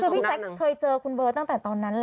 คือพี่แจ๊คเคยเจอคุณเบิร์ตตั้งแต่ตอนนั้นแหละ